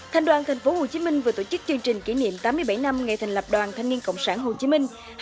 thanh đoàn tp hcm vừa tổ chức chương trình kỷ niệm tám mươi bảy năm ngày thành lập đoàn thanh niên cộng sản hồ chí minh